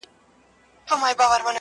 o دا مي سمنډوله ده، برخه مي لا نوره ده.